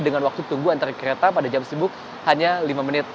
dengan waktu tunggu antar kereta pada jam sibuk hanya lima menit